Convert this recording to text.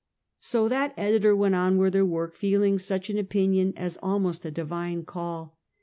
So that editor went on with her work, feeling such an opinion as almost a divine call.